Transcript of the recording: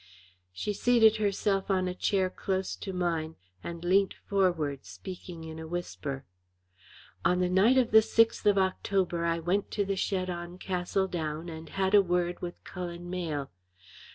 She seated herself on a chair close to mine, and leant forward, speaking in a whisper. "On the night of the sixth of October I went to the shed on Castle Down and had word with Cullen Mayle.